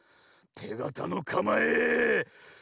てがたのかまえその１！